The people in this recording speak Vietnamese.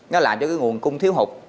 nó làm cho cái nguồn cung thiếu hụt